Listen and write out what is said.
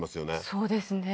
そうですね